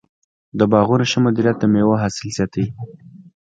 د باغونو ښه مدیریت د مېوو حاصل زیاتوي.